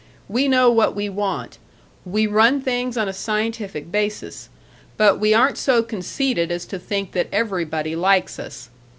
We know what we want we run things on a scientific basis but we aren't so conceited as to think that everybody likes us.